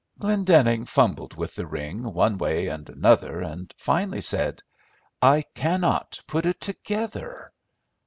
Glendenning fumbled with the ring one way and another, and finally said, "I cannot put it together."